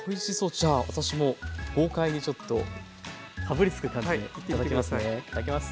じゃあ私も豪快にちょっとかぶりつく感じでいただきます。